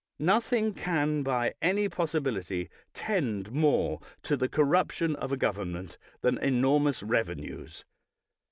Nothing can by any possibility tend more to the corruption of a government than enormous revenues.